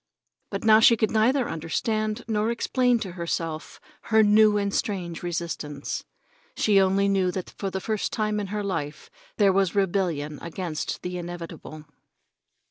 But now she could neither understand nor explain to herself her new and strange resistance. She only knew that for the first time in her life there was rebellion against the inevitable.